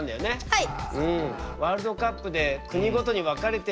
はい。